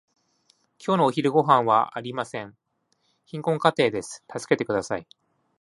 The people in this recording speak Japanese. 今日のお昼ごはんはありません。貧困家庭です。助けてください。